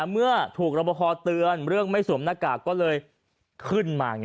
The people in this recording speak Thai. เมื่อถูกรับประพอเตือนเรื่องไม่สวมหน้ากากก็เลยขึ้นมา